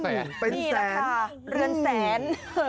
เป็นแสนนี่แหละค่ะเรือนแสน